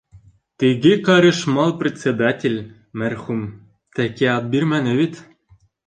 Теге ҡарышмал председатель, мәрхүм, тәки ат бирмәне бит.